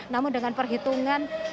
namun dengan perhitungan